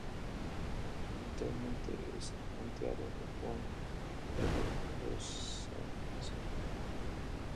Ventralmente es anteado o anteado rosáceo.